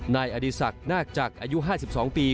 นายอดีศักดิ์นาคจักรอายุ๕๒ปี